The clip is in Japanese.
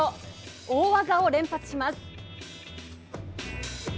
大技を連発します。